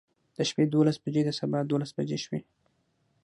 د شپې دولس بجې د سبا دولس بجې شوې.